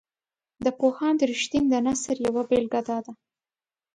د پوهاند رښتین د نثر یوه بیلګه داده.